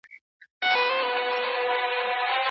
هغه د خپل پلار میرویس نیکه ارمان پوره کړ.